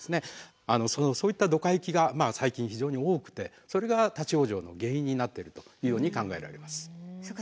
そういったドカ雪が最近非常に多くてそれが立往生の原因になっているというように考えられます。